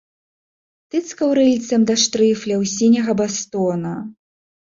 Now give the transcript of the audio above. Тыцкаў рыльцам да штрыфляў сіняга бастона.